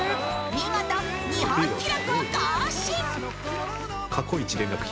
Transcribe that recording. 見事日本記録を更新